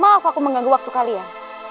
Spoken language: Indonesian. maaf aku mengganggu waktu kalian